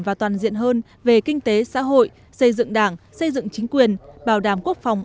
và toàn diện hơn về kinh tế xã hội xây dựng đảng xây dựng chính quyền bảo đảm quốc phòng